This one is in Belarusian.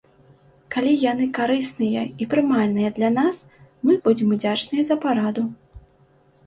Калі яны карысныя і прымальныя для нас, мы будзем удзячныя за параду.